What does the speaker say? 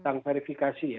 tang verifikasi ya